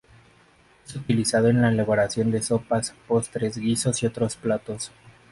Es utilizado en la elaboración de sopas, postres, guisos y otros platos.